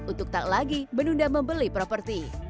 untuk tak lagi menunda membeli properti